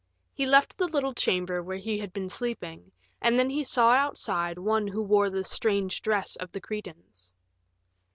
He left the little chamber where he had been sleeping, and then he saw outside one who wore the strange dress of the Cretans.